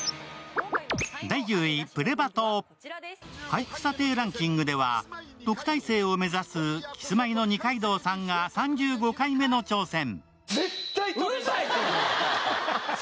俳句査定ランキングでは特待生を目指すキスマイの二階堂さんが３５回目の挑戦。